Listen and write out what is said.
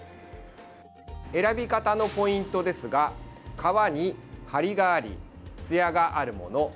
選び方のポイントですが皮に張りがあり、つやがあるもの。